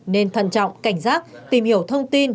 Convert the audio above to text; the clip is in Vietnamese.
nên thận trọng cảnh giác tìm hiểu thông tin